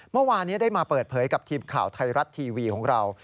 เมื่อวานนี้ได้มาเปิดเผยกับทีมข่าวไทยรัฐทีวีของเรา